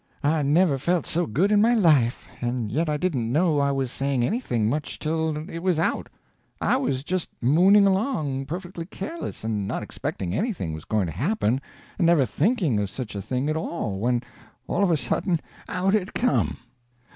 I never felt so good in my life; and yet I didn't know I was saying anything much till it was out. I was just mooning along, perfectly careless, and not expecting anything was going to happen, and never thinking of such a thing at all, when, all of a sudden, out it came.